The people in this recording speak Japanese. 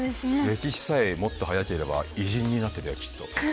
歴史さえもっと早ければ偉人になってたよきっと。